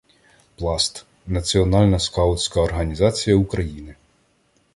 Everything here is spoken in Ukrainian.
"Пласт" — національна скаутська організація України.